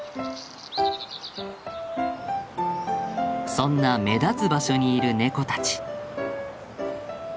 そんな目立つ場所にいるネコたち。